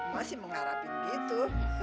masih mengharapin gitu